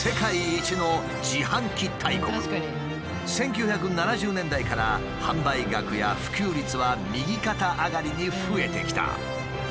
１９７０年代から販売額や普及率は右肩上がりに増えてきた。